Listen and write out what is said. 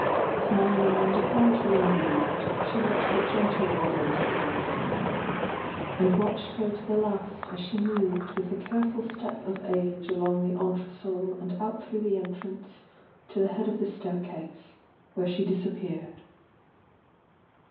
Smiling and apparently unmoved, she let the gentle old lady go from her, and watched uer to the last as she moved with the careful step of age along the entresol and out through the entrance to the head of the staircase, where she disappeared.